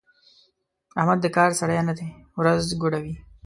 احمد د کار سړی نه دی؛ ورځ ګوډوي.